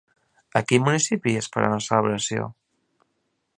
A quin municipi es farà una celebració?